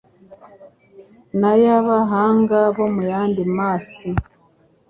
n'ay'abahanga bo mu yandi masi.